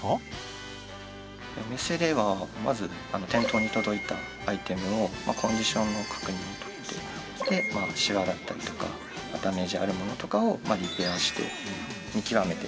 お店ではまず店頭に届いたアイテムをコンディションの確認をとってシワだったりとかダメージあるものとかをリペアして見極めて出しています。